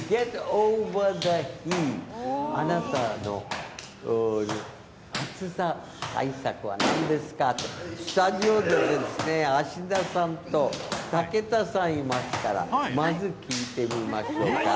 あなたの暑さ対策はなんですかと、スタジオでですね、芦田さんと武田さんいましたら、まず、聞いてみましょうか。